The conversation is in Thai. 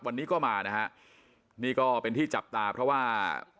วันนี้ก็มานะฮะนี่ก็เป็นที่จับตาเพราะว่า